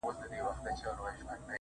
زه به غمو ته شاعري كومه.